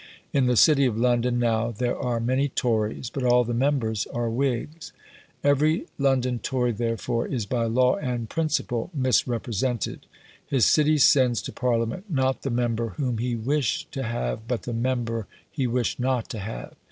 In the city of London, now, there are many Tories, but all the members are Whigs; every London Tory, therefore, is by law and principle misrepresented: his city sends to Parliament not the member whom he wished to have, but the member he wished not to have.